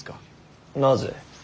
なぜ。